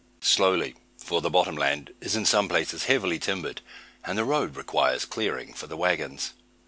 Slowly, for the bottom land is in some places heavily timbered, and the road requires clearing for the waggons.